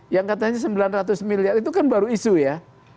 yang katanya sembilan ratus miliar itu kan baru isu ya